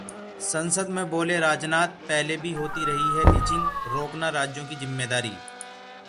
संसद में बोले राजनाथ- पहले भी होती रही है लिंचिंग, रोकना राज्यों की जिम्मेदारी